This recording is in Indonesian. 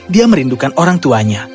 dia merindukan orang tuanya